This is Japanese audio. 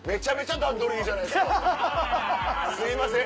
すいません。